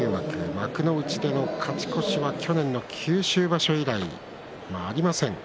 幕内での勝ち越しは去年の九州場所以来ありません。